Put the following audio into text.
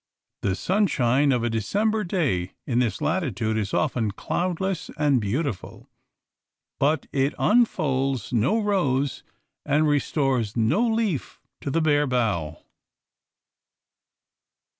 The sunshine of a December day in this latitude is often cloudless and beautiful. But it unfolds no rose and restores no leaf to the bare bough.